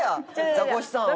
ザコシさんは。